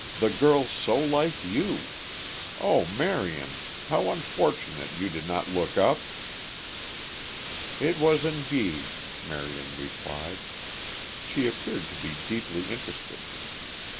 "The girl so like you. Oh, Marion, how unfortunate you did not look up!" "It was indeed," Marion replied. She appeared to be deeply interested.